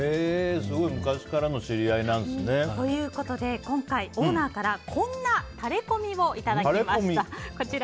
すごい昔からのお知り合いなんですね。ということで今回オーナーからこんなタレコミをいただきました。